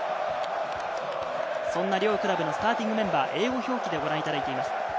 そんな両クラブのスターティングメンバーを英語表記でご覧いただいています。